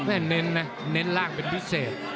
เน้นนะเน้นล่างเป็นพิเศษ